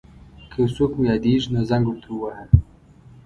که یو څوک مو یاديږي نو زنګ ورته وواهه.